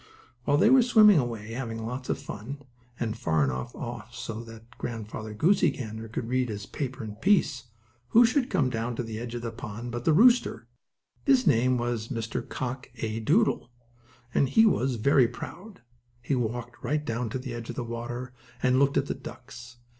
While they were swimming away, having lots of fun, and far enough off so that Grandfather Goosey Gander could read his paper in peace, who should come down to the edge of the pond but the rooster. His name was Mr. Cock A. Doodle, and he was very proud. He walked right down to the edge of the water, and looked at the ducks.